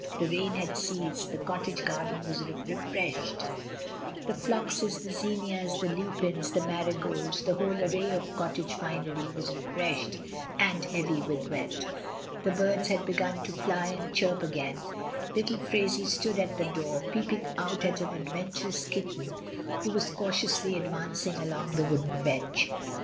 The rain had ceased, the cottage garden was refreshed; the floxes, the zinias, the lupins, the marigolds, the whole array of cottage finery was refreshed and heavy with wet. The birds had begun to fly and chirp again; little Phraisie stood at the door peeping out at an adventurous kitten which was cautiously advancing along the wooden bench.